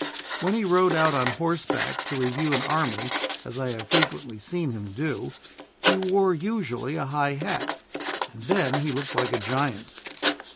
When he rode out on horseback to review an army, as I have frequently seen him do, he wore usually a high hat, and then he looked like a giant.